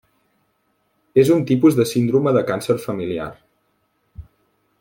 És un tipus de síndrome de càncer familiar.